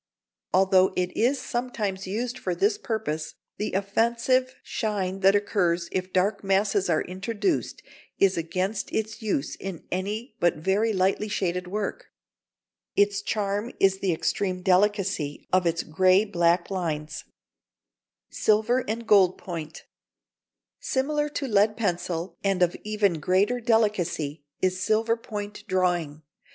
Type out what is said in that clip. Although it is sometimes used for this purpose, the offensive shine that occurs if dark masses are introduced is against its use in any but very lightly shaded work. [Illustration: Plate LV. FROM A SILVER POINT DRAWING] Its charm is the extreme delicacy of its grey black lines. [Sidenote: Silver and Gold Point.] Similar to lead pencil, and of even greater delicacy, is silver point drawing.